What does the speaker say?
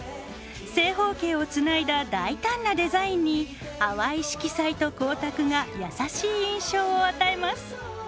正方形をつないだ大胆なデザインに淡い色彩と光沢が優しい印象を与えます。